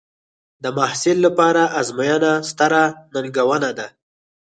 د محصل لپاره ازموینه ستره ننګونه ده.